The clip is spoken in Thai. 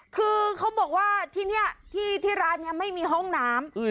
คือเขาบอกว่าที่นี่ที่ร้านนี้ไม่มีห้องน้ำ